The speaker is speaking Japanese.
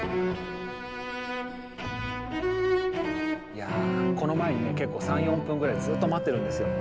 いやこの前にね結構３４分ぐらいずっと待ってるんですよ。